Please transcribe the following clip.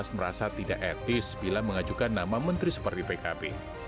merasa tidak etis bila mengajukan nama menteri seperti pkb